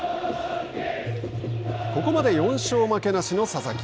ここまで４勝負けなしの佐々木。